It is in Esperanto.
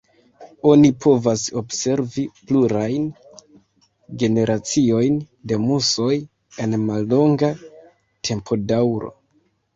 Oni povas observi plurajn generaciojn de musoj en mallonga tempodaŭro.